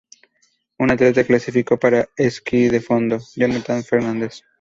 Un atleta clasificó para esquí de fondo:Yonathan Fernández.